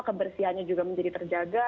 kebersihannya juga menjadi terjaga